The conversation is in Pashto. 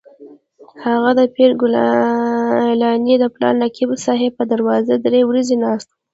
هغه د پیر ګیلاني د پلار نقیب صاحب پر دروازه درې ورځې ناست و.